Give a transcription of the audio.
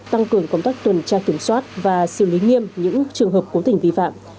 tăng cường công tác tuần tra kiểm soát và xử lý nghiêm những trường hợp cố tình vi phạm